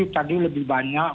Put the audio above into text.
tadi lebih banyak